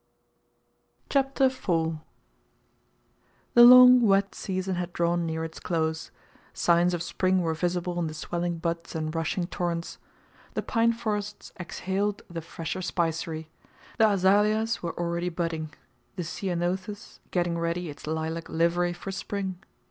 CHAPTER IV The long wet season had drawn near its close. Signs of spring were visible in the swelling buds and rushing torrents. The pine forests exhaled the fresher spicery. The azaleas were already budding, the ceanothus getting ready its lilac livery for spring.